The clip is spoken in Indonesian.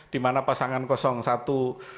di mana pasangan kosong di mana pasangan yang berpengalaman